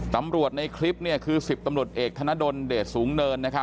ในคลิปคือ๑๐ตำรวจเอกธนดลเดชสูงเนิน